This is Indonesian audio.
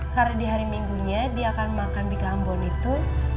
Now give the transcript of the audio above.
karena di hari minggunya dia akan makan bika ambon itu